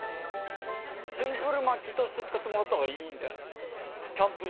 シンプルにまきとして使ってもらったほうがいいんじゃないですか。